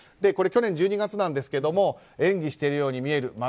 これ去年１２月ですが演技しているように見える。